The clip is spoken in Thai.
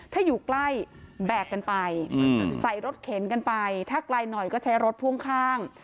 ถ้าอยู่ใกล้แบกกันไปใส่รถเข็นกันไปถ้าไกลหน่อยก็ใช้รถพ่วงข้าง